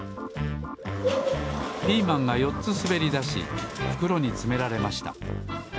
ピーマンが４つすべりだしふくろにつめられました。